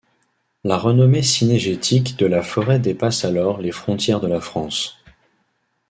La renommée cynégétique de la forêt dépasse alors les frontières de la France.